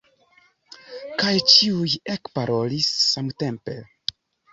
Kaj ĉiuj ekparolis samtempe.